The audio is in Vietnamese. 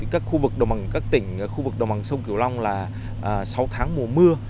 các khu vực đồng bằng các tỉnh khu vực đồng bằng sông kiểu long là sáu tháng mùa mưa